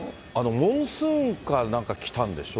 モンスーンかなんかから来たんでしょ？